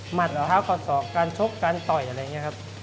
หมัดเท้าเขาสอกการชกการต่อยอะไรอย่างนี้ครับ